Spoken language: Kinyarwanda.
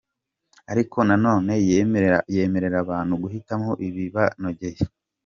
Ariko nanone yemerera abantu guhitamo ibibanogeye.